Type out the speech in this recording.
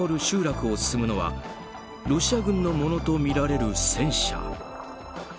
集落を進むのはロシア軍のものとみられる戦車。